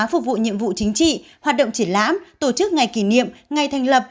phục vụ nhiệm vụ chính trị hoạt động triển lãm tổ chức ngày kỷ niệm ngày thành lập